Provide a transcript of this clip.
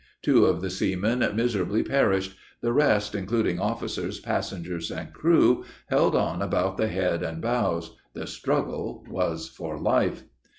Two of the seamen miserably perished the rest, including officers, passengers, and crew, held on about the head and bows the struggle was for life!